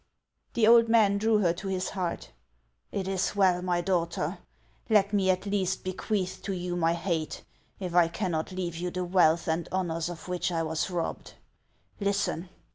The old man drew her to his heart. " It is well, my daughter ! Let me at least bequeath to you my hate, if I cannot leave you the wealth and honors of which I was robbed. Listen